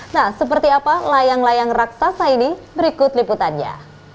nah seperti apa layang layang raksasa ini berikut liputannya